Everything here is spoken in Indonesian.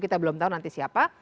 kita belum tahu nanti siapa